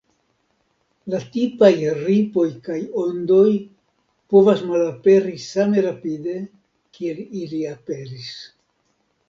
La tipaj ripoj kaj ondoj povas malaperi same rapide kiel ili aperis.